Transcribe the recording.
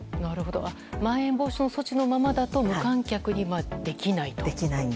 まん延防止の措置のままだと無観客にできないと。